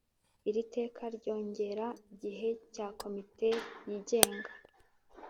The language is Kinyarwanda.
iri teka ryongera igihe cya komite yigenga